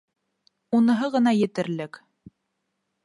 Уныһы ғына етерлек.